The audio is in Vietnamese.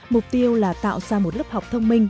mục tiêu là tạo ra một lớp học thông minh